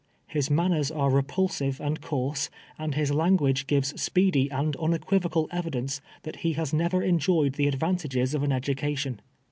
His manners are repulsive and coarse, and his language gives speedy and une quivocal evidence that he has never enjoyed the ad A'antages of an education.